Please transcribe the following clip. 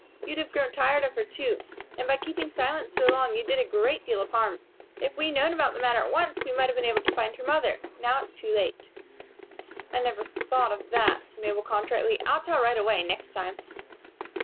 You'd have grown tired of her, too. And by keeping silence so long, you did a great deal of harm. If we'd known about the matter at once, we might have been able to find her mother. Now it's too late." "I never thought of that," said Mabel, contritely. "I'll tell right away, next time."